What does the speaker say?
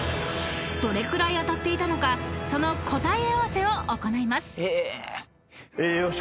［どれくらい当たっていたのかその答え合わせを行います］